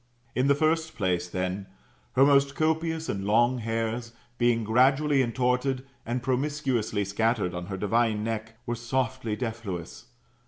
In the first place, then, her most copious and long hairs, being gradually intortcd, and promiscuously scattered on her divine neck, were softly defluous.